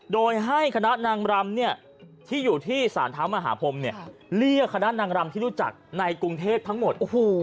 โดยให้คณะนางรำที่อยู่ที่สารเท้ามหาพรมเรียกคณะนางรำที่รู้จักในกรุงเทพทั้งหมด